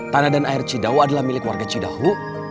tanah dan air cidau adalah milik warga cidahu